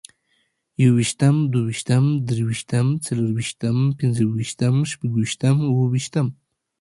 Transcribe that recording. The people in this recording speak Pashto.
يوویشتم، دوويشتم، دريوشتم، څلورويشتم، پنځوويشتم، شپږويشتم، اوويشتمه